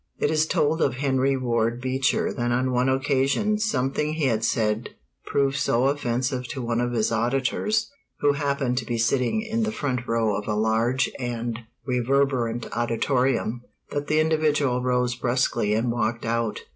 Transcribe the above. It is told of Henry Ward Beecher that on one occasion something he had said proved so offensive to one of his auditors, who happened to be sitting in the front row of a large and reverberant auditorium, that the individual rose bruskly and walked out.